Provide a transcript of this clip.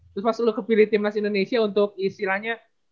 terus pas lo kepilih timnas indonesia untuk istilahnya